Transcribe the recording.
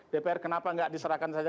dpr kenapa nggak diserahkan saja